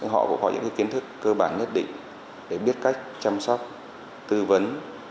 họ cũng có những kiến thức cơ bản nhất định để biết cách chăm sóc tư vấn